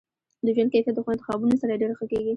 د ژوند کیفیت د ښو انتخابونو سره ډیر ښه کیږي.